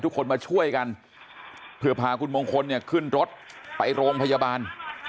ทุกคนมาช่วยกันเพื่อพาคุณมงคลเนี่ยขึ้นรถไปโรงพยาบาล